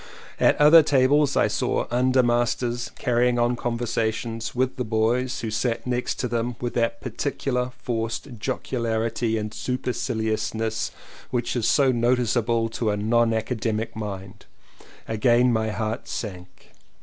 At other tables I saw *'undermasters" carrying on conversations with the boys who sat next to them with that particular forced jocularity and super ciliousness which is so noticeable to a non academic mind — again my heart sank.